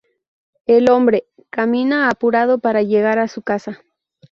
El hombre "camina" apurado para llegar a su casa.